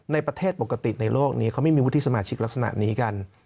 ในประเทศปกติในโลกนี้เขาไม่มีวุฒิสมาชิกลักษณะนี้กัน